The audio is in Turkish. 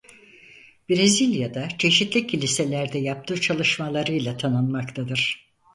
Brezilya'da çeşitli kiliselerde yaptığı çalışmalarıyla tanınmaktadır.